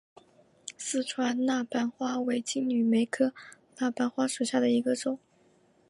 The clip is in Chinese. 四川蜡瓣花为金缕梅科蜡瓣花属下的一个种。